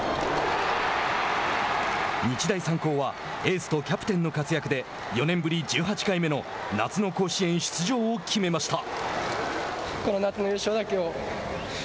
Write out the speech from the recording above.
日大三高はエースとキャプテンの活躍で４年ぶり１８回目の夏の甲子園出場を決めました。